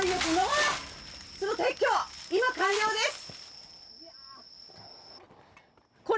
巣の撤去、今完了です。